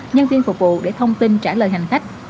nhân viên phục vụ để thông tin trả lời hành khách